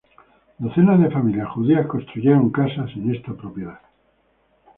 Docenas de familias judías construyeron casas en esta propiedad.